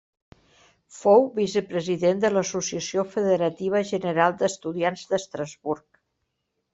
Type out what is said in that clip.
Fou vicepresident de l'Associació Federativa General d'Estudiants d'Estrasburg.